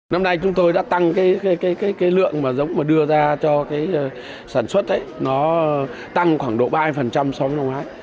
năm nay chúng tôi đã tăng cái lượng mà giống mà đưa ra cho cái sản xuất ấy nó tăng khoảng độ ba so với năm ngoái